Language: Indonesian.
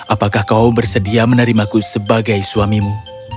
apakah kau bersedia menerimaku sebagai suamimu